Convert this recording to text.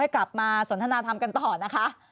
กลับมาสนทนาธรรมกันต่อนะคะ